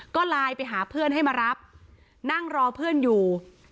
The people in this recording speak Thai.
ก็ไลน์ไปหาเพื่อนให้มารับนั่งรอเพื่อนอยู่